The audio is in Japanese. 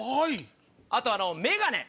あと眼鏡。